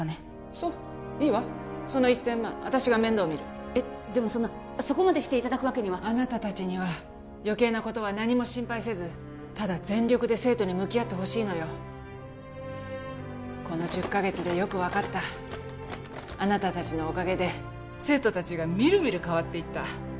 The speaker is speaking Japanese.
そういいわその１千万私が面倒見るえっでもそんなそこまでしていただくわけにはあなた達には余計なことは何も心配せずただ全力で生徒に向き合ってほしいのよこの１０カ月でよく分かったあなた達のおかげで生徒達がみるみる変わっていった